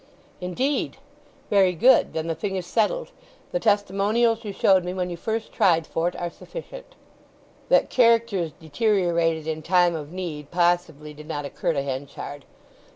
"Indeed! Very good. Then the thing is settled. The testimonials you showed me when you first tried for't are sufficient." That characters deteriorated in time of need possibly did not occur to Henchard.